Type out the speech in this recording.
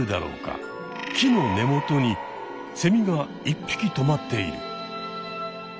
木の根元にセミが一匹とまっている。